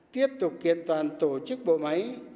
tiếp tục kiểm toán tổ chức bộ máy